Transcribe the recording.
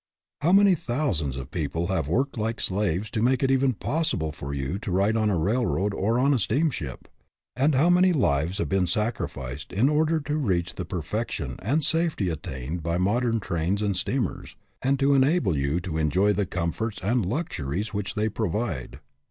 How many thousands of people have worked like slaves to make it even possible for you to ride on a railroad or on a steamship, and how many lives have been sacrificed in order to reach the perfection and safety attained by modern trains and steamers, and to enable you to enjoy the comforts and luxuries which they provide!